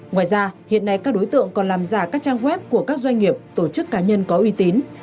ngoài ra hiện nay các đối tượng còn làm giả các trang web của các doanh nghiệp tổ chức cá nhân có uy tín